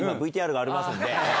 ＶＴＲがありますんで。